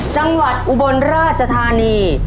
จังหวัดอุบลราชธานี